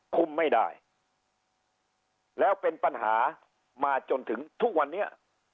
คุมไม่ได้แล้วเป็นปัญหามาจนถึงทุกวันนี้